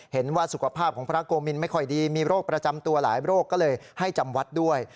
เห็นว่าสุขภาพของพระโกมินไม่ค่อยดีมีโรคประจำตัวหลายโรคก็เลยให้จำวัดด้วย